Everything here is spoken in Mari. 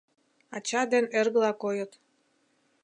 Ача ден эргыла койыт.